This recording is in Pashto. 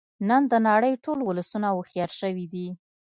نن د نړۍ ټول ولسونه هوښیار شوی دی